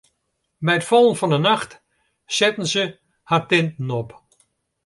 By it fallen fan 'e nacht setten se har tinten op.